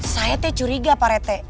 saya teh curiga pak rete